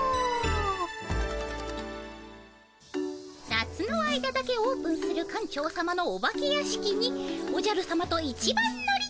夏の間だけオープンする館長さまのお化け屋敷におじゃるさまと一番乗り。